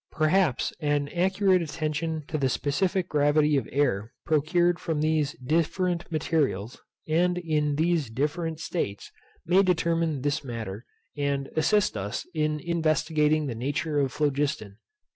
Perhaps an accurate attention to the specific gravity of air procured from these different materials, and in these different states, may determine this matter, and assist us in investigating the nature of phlogiston.